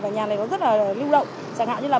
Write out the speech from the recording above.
và nhà này nó rất là lưu động chẳng hạn như là